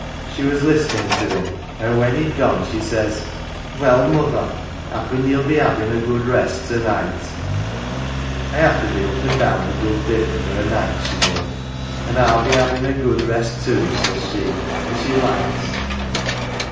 She was listening to him, an" 1 when he'd gone she says, ' Well, mother, happen yell be havin 1 a good rest to night ' I have to be up an 1 down a good bit with her o 1 nights, ye know ' an" 1 Til be bavin 1 a good rest too, 1 says she, an 1 she laughs.